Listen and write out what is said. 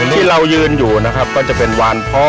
ที่เรายืนอยู่นะครับก็จะเป็นวานพ่อ